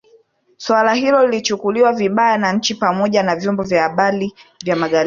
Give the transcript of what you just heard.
Suala hilo lilichukuliwa vibaya na nchi pamoja na vyombo vya habari vya Magharibi